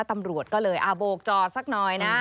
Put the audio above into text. ตำรวจก็เลยโบกจอดสักหน่อยนะ